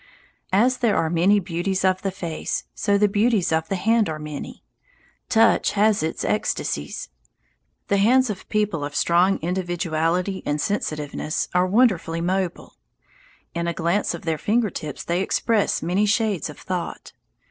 As there are many beauties of the face, so the beauties of the hand are many. Touch has its ecstasies. The hands of people of strong individuality and sensitiveness are wonderfully mobile. In a glance of their finger tips they express many shades of thought.